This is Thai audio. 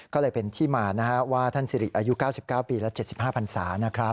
ก็เลยเป็นที่มานะฮะว่าท่านสิริอายุ๙๙ปีและ๗๕พันศานะครับ